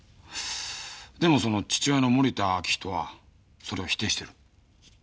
でも父親の森田明仁はそれを否定してる。